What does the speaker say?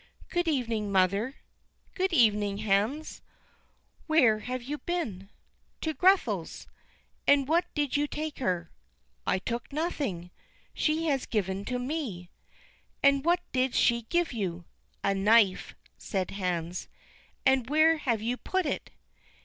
"Good evening, mother." "Good evening, Hans. Where have you been?" "To Grethel's." "And what did you take to her?" "I took nothing; she has given to me." "And what did she give you?" "A knife," said Hans. "And where have you put it?"